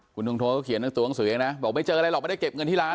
คุณทงโทก็เขียนทั้งตัวหนังสือเองนะบอกไม่เจออะไรหรอกไม่ได้เก็บเงินที่ร้าน